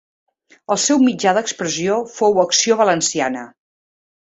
El seu mitjà d'expressió fou Acció Valenciana.